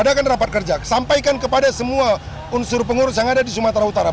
adakan rapat kerja sampaikan kepada semua unsur pengurus yang ada di sumatera utara